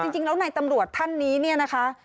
จริงแล้วในตำรวจท่านนี้เนี่ยนะคะ